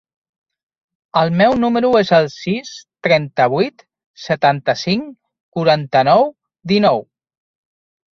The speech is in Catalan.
El meu número es el sis, trenta-vuit, setanta-cinc, quaranta-nou, dinou.